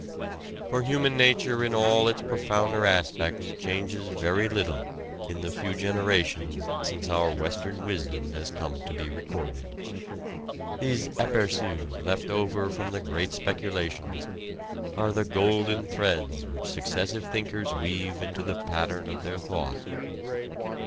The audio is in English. For human nature in all its profounder aspects changes very little in the few generations since our Western wisdom has come to be recorded. These aperçus left over from the great speculations are the golden threads which successive thinkers weave into the pattern of their thought.